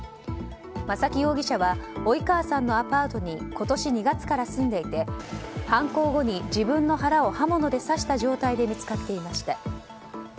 真崎容疑者は及川さんのアパートに今年２月から住んでいて犯行後に自分の腹を刃物で刺した状態で見つかっていました。